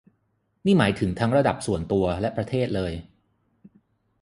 นี่หมายถึงทั้งระดับส่วนตัวและประเทศเลย